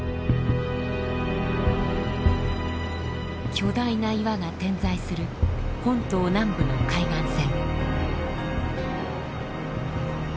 巨大な岩が点在する本島南部の海岸線。